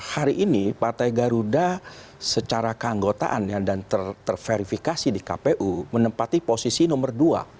hari ini partai garuda secara keanggotaan dan terverifikasi di kpu menempati posisi nomor dua